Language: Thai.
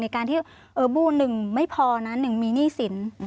การที่บูหนึ่งไม่พอนะหนึ่งมีหนี้สิน